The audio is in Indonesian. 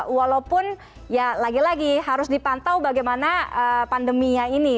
walaupun ya lagi lagi harus dipantau bagaimana pandeminya ini